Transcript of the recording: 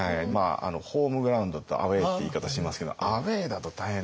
ホームグラウンドとアウェーって言い方しますけどアウェーだと大変ですよ。